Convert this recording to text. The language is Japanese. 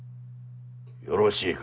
よろしいか？